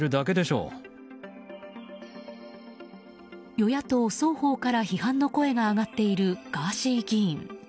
与野党双方から、批判の声が上がっているガーシー議員。